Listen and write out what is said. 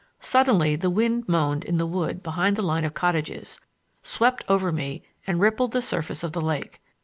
Suddenly the wind moaned in the wood behind the line of cottages, swept over me and rippled the surface of the lake.